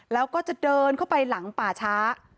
แล้วก็จะเดินเข้าไปหลังป่าช้า